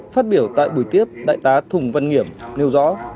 phát biểu tại buổi tiếp đại tá thùng văn nghiểm nêu rõ